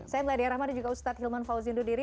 saya meladia rahman dan juga ustadz hilman fauzi undur diri